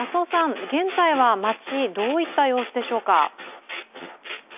現在は街、どういった様子でしょうか？